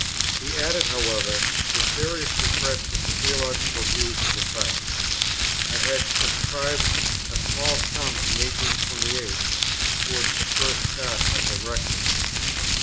He added, however, his serious regret at the theological views of the Tracts. I had subscribed a small sum in 1828 towards the first start of the Record.